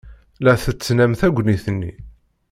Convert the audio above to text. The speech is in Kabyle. La tettnam tagnit-nni.